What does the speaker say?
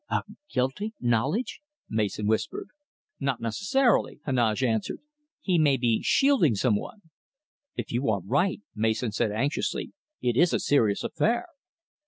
"A guilty knowledge?" Mason whispered. "Not necessarily!" Heneage answered. "He may be shielding some one." "If you are right," Mason said anxiously, "it is a serious affair."